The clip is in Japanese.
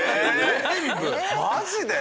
マジで？